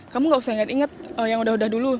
kamu nggak usah inget inget yang udah udah dulu